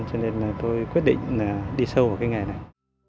cho nên là tôi quyết định là đi sâu vào cái nghề này